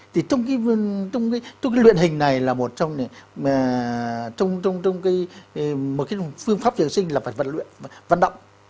thì trong cái luyện hình này là một trong những phương pháp dưỡng sinh là vận động